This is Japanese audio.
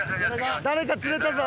誰か釣れたぞ！